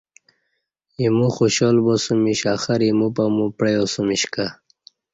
ایمو خوشحال باسمش اخر ا یمو پامو پعیاسمش کہ